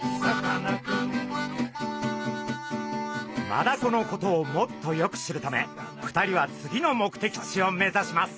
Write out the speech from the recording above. マダコのことをもっとよく知るため２人は次の目的地を目指します！